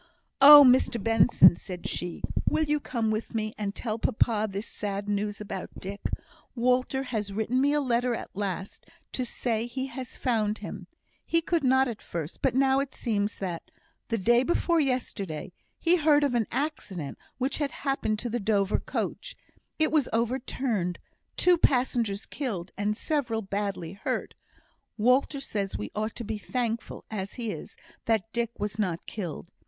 "Oh, Mr Benson!" said she, "will you come with me, and tell papa this sad news about Dick? Walter has written me a letter at last to say he has found him he could not at first; but now it seems that, the day before yesterday, he heard of an accident which had happened to the Dover coach; it was overturned two passengers killed, and several badly hurt. Walter says we ought to be thankful, as he is, that Dick was not killed.